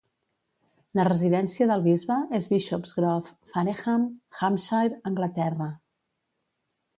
La residència del bisbe és Bishopsgrove, Fareham, Hampshire, Anglaterra.